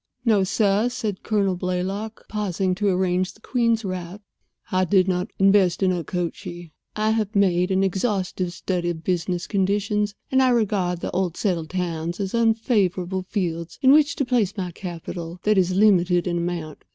"No, sir," said Colonel Blaylock, pausing to arrange the queen's wrap. "I did not invest in Okochee. I have made an exhaustive study of business conditions, and I regard old settled towns as unfavorable fields in which to place capital that is limited in amount.